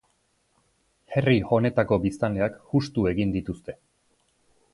Herri honetako biztanleak hustu egin dituzte.